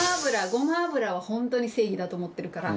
ごま油は本当に正義だと思ってるから。